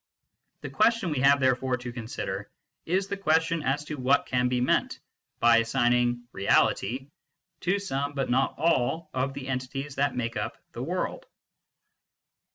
The question we have therefore to consider is the question as to what can be meant by assigning " reality " to some but not all of the entities that make up the world.